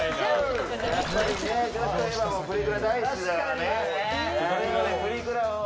女子といえばプリクラ大好きだからね。